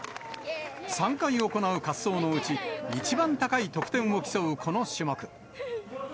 ３回行う滑走のうち、一番高い得点を競うこの種目。